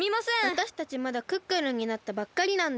わたしたちまだクックルンになったばっかりなんです。